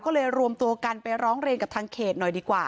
ก็เลยรวมตัวกันไปร้องเรียนกับทางเขตหน่อยดีกว่า